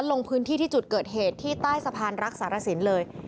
ลงพื้นที่ที่จุดเกิดเหตุที่ใต้สะพานรักษารสินเลย